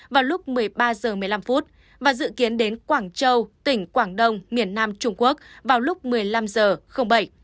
vào lúc một mươi ba h một mươi năm và dự kiến đến quảng châu tỉnh quảng đông miền nam trung quốc vào lúc một mươi năm h bảy